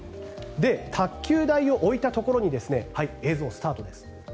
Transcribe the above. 卓球台を置いたところに映像、スタートです。